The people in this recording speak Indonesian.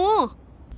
benson tidak mengerti